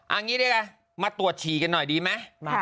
อันนี้เนี่ยมาตรวจฉีกันหน่อยดีไหม